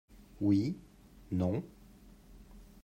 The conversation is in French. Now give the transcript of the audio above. Oui/Non.